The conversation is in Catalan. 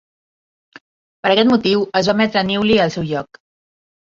Per aquest motiu, es va emetre Newley al seu lloc.